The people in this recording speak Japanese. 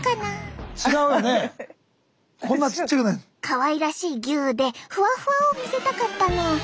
かわいらしいギュッでふわふわを見せたかったの。